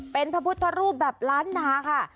เป็นพระพุทธรูปแบบล้านนาค่ะ